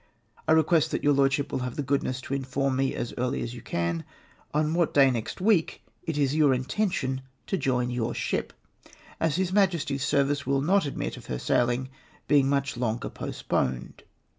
" I request that your Lordship will have the goodness to inform me as earl}^ as you can on what day next iveeJc it is your intention to join your ship, as His Majesty's service will not admit of her sailing being much longer postponed.